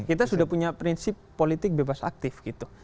kita sudah punya prinsip politik bebas aktif gitu